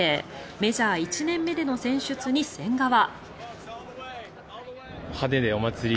メジャー１年目での選出に千賀は。